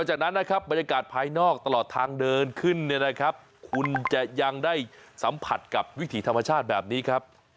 นอกจากนั้นนะครับบรรเทศภายนอกตลอดทางเดินขึ้นคุณจะยังได้สัมผัสกับวิถีธรรมชาติแบบนี้ครับ